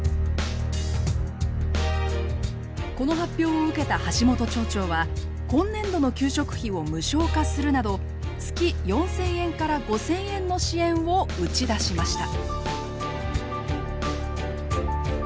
この発表を受けた橋本町長は今年度の給食費を無償化するなど月４，０００円から５，０００円の支援を打ち出しました。